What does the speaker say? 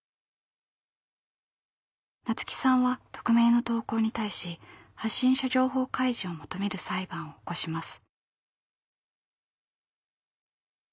菜津紀さんは匿名の投稿に対し発信者情報開示を求める裁判を起こします。